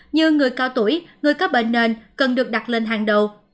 như người cao tuổi người có bệnh nền cần được đặt lên hàng đầu